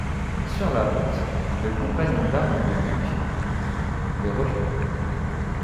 Sur la route, le compagnon d'armes de Luke, Guy, les rejoint.